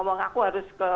kalau bapak wrisma